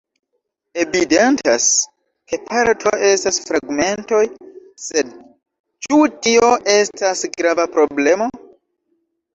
Evidentas, ke parto estas fragmentoj, sed ĉu tio estas grava problemo?